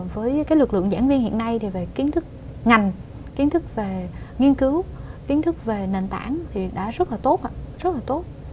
với lực lượng giảng viên hiện nay thì về kiến thức ngành kiến thức về nghiên cứu kiến thức về nền tảng thì đã rất là tốt rất là tốt